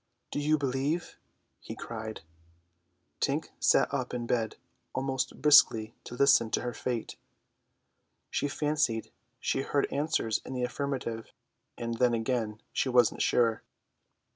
"Do you believe?" he cried. Tink sat up in bed almost briskly to listen to her fate. She fancied she heard answers in the affirmative, and then again she wasn't sure.